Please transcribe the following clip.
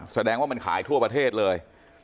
แสดงว่ามันขายทั่วประเทศเลย